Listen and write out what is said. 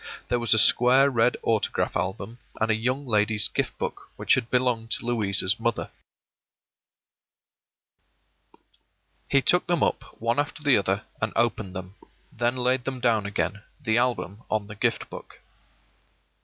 There was a square red autograph album, and a Young Lady's Gift Book which had belonged to Louisa's mother. He took them up one after the other and opened them; then laid them down again, the album on the Gift Book.